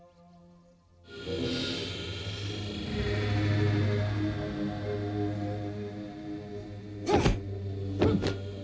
di chuangki czyli bagian termaluran